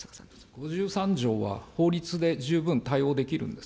５３条は法律で十分対応できるんです。